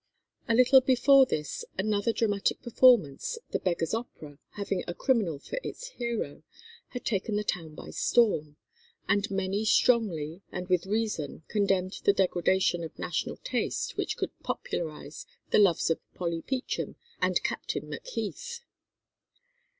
A little before this another dramatic performance, the "Beggar's Opera," having a criminal for its hero, had taken the town by storm; and many strongly and with reason condemned the degradation of national taste which could popularize the loves of "Polly Peachum" and "Captain Macheath."